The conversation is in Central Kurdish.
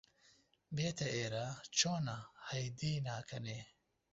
بێتە ئێرە، چۆنە هەی دێی ناکەنێ!؟